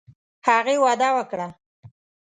هغې وعده وکړه.